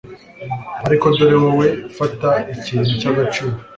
Ariko dore wowe fata ikintu cyagaciro